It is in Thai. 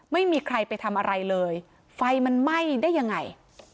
ไม่มีใครไปทำอะไรเลยไฟมันไหม้ได้ยังไง